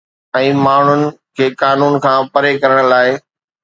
۽ ماڻهن کي قانون کان پري ڪرڻ لاء